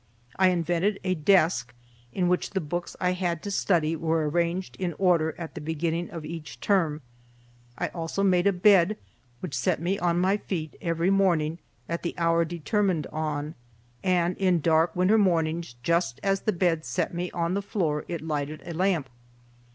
I invented a desk in which the books I had to study were arranged in order at the beginning of each term. I also made a bed which set me on my feet every morning at the hour determined on, and in dark winter mornings just as the bed set me on the floor it lighted a lamp.